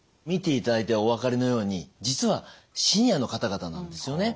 見ていただいてお分かりのように実はシニアの方々なんですよね。